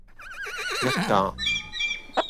一架